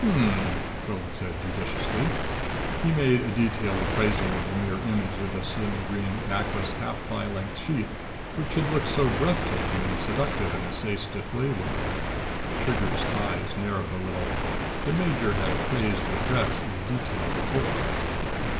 "Hmmm," Quillan said judiciously. He made a detailed appraisal of the mirror image of the slim, green, backless, half thigh length sheath which had looked so breath taking and seductive in a Ceyce display window. Trigger's eyes narrowed a little. The major had appraised the dress in detail before.